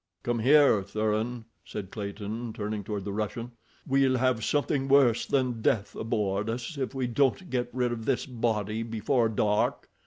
"Come here, Thuran," said Clayton, turning toward the Russian. "We'll have something worse than death aboard us if we don't get rid of this body before dark."